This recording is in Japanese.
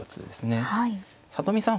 里見さん